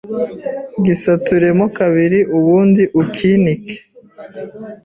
Gisaturemo kabiri, ubundi ukinike